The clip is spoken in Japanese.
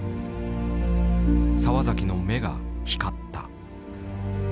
澤崎の目が光った。